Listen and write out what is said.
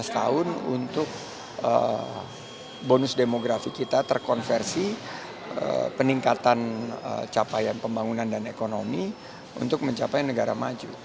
lima belas tahun untuk bonus demografi kita terkonversi peningkatan capaian pembangunan dan ekonomi untuk mencapai negara maju